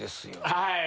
はい。